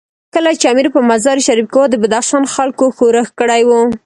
کله چې امیر په مزار شریف کې وو، د بدخشان خلکو ښورښ کړی وو.